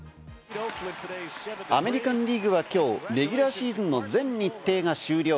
アメリカンリーグはきょう、レギュラーシーズンの全日程が終了。